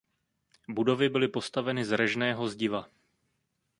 Budovy byly postaveny z režného zdiva.